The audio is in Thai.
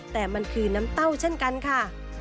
แต่มันคือน้ำเต้าเช่นกันค่ะ